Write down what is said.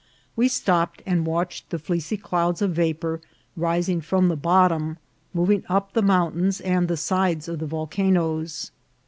We stopped and watched the fleecy clouds of vapour rising from the bottom, moving up the mountains and the sides of the volcanoes.